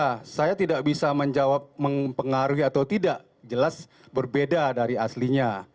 ya saya tidak bisa menjawab mempengaruhi atau tidak jelas berbeda dari aslinya